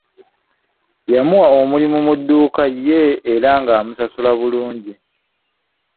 Yamuwa omulimu mu dduuka ye era ng'amusasula bulungi.